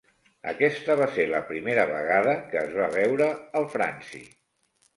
Aquesta va ser la primera vegada que es va veure el franci.